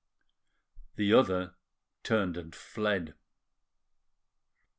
The other turned and fled.